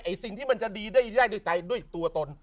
สิ่งที่มันจะดีได้ด้วยใจด้วยตัวตน